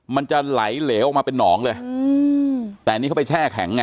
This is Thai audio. มันจะไหลเหลวออกมาเป็นหนองเลยอืมแต่อันนี้เขาไปแช่แข็งไง